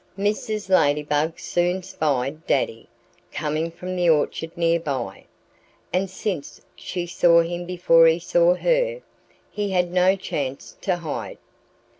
Mrs. Ladybug soon spied Daddy, coming from the orchard near by. And since she saw him before he saw her, he had no chance to hide.